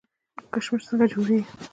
کشمش څنګه جوړیږي؟